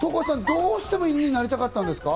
どうしても犬になりたかったんですか？